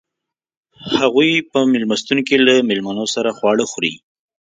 هغوئ په میلمستون کې له میلمنو سره خواړه خوري.